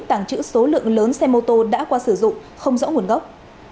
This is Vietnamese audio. tàng trữ số lượng lớn xe mô tô đã qua sử dụng không rõ nguồn gốc